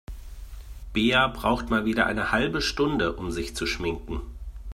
Bea braucht mal wieder eine halbe Stunde, um sich zu schminken.